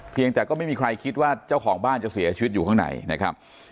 ยังแต่ก็ไม่มีใครคิดว่าเจ้าของบ้านจะเสียชีวิตอยู่ข้างในนะครับ